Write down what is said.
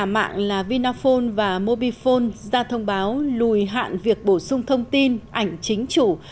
nhà mạng vinaphone và mobifone ra thông báo lùi hạn việc bổ sung thông tin ảnh chính chủ